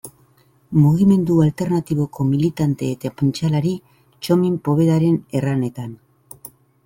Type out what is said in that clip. Mugimendu alternatiboko militante eta pentsalari Txomin Povedaren erranetan.